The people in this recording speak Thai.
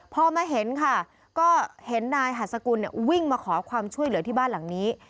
พอมาเห็นค่ะก็เห็นนายหัสกุลวิ่งมาขอความช่วยเหลือที่บ้านหลังนี้